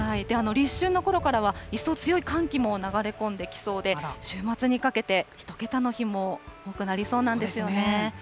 立春のころからは一層強い寒気も流れ込んできそうで、週末にかけて１桁の日も多くなりそうなんですよね。